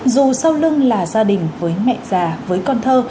dù sau lưng là gia đình với mẹ già với con thơ